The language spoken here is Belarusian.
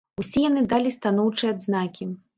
Усе яны далі станоўчыя адзнакі.